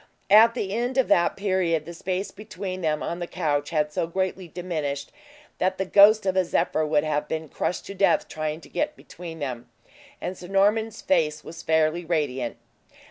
At the end of that period, the space between them on the couch had so greatly diminished, that the ghost of a zephyr would have been crushed to death trying to get between them; and Sir Norman's face was fairly radiant.